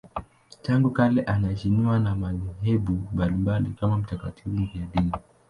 Tangu kale anaheshimiwa na madhehebu mbalimbali kama mtakatifu mfiadini.